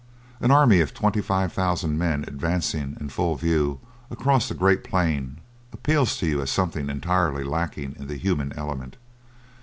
An army of twenty five thousand men advancing in full view across a great plain appeals to you as something entirely lacking in the human element.